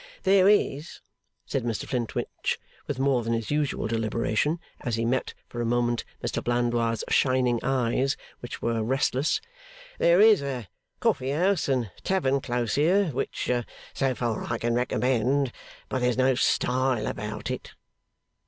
'There is,' said Mr Flintwinch, with more than his usual deliberation, as he met, for a moment, Mr Blandois' shining eyes, which were restless; 'there is a coffee house and tavern close here, which, so far, I can recommend; but there's no style about it.